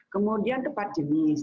kemudian tepat jenis